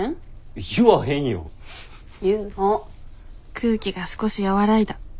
空気が少し和らいだ。